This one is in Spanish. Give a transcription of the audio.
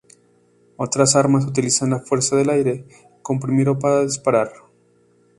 Otras armas utilizan la fuerza del aire comprimido para disparar.